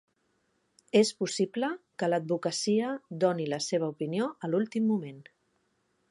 És possible que l'advocacia doni la seva opinió a l'últim moment